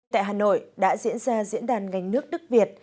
tại hà nội đã diễn ra diễn đàn ngành nước đức việt